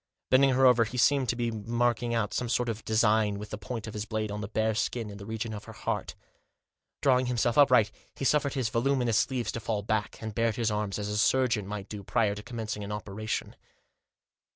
Bending over her, he seemed to be marking out some sort of design with the point of his blade on the bare skin, in the region of the heart Drawing himself upright he suffered his voluminous sleeves to fall back, and bared his arms, as a surgeon might do prior to commencing an operation.